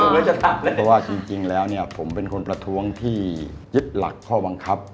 เพราะว่าจริงแล้วผมเป็นคนประท้วงที่ยึดหลักข้อวังคับ